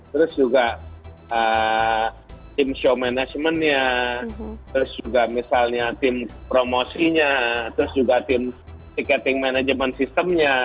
terus juga tim show management nya terus juga misalnya tim promosi nya terus juga tim ticketing management system nya